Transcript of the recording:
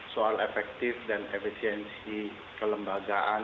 soal efektif dan efisiensi kelembagaan